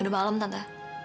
udah malem tante